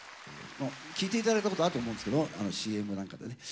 聴いて頂いたことあると思うんですけどＣＭなんかでね。